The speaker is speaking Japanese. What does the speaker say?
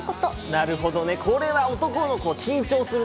なるほどねこれは男の子緊張するね。